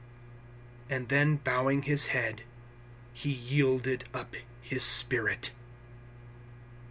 And then, bowing His head, He yielded up His spirit.